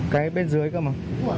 cái bên dưới cơ mà